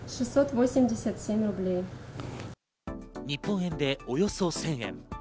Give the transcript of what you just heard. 日本円でおよそ１０００円。